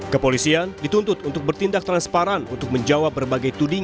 kepolisian dituntut untuk bertindak transparan untuk menjawab berbagai tudingan